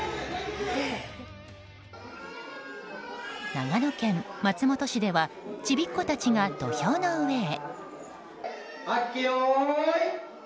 長野県松本市ではちびっ子たちが土俵の上へ。